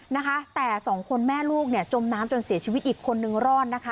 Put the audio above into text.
นะคะแต่สองคนแม่ลูกเนี่ยจมน้ำจนเสียชีวิตอีกคนนึงรอดนะคะ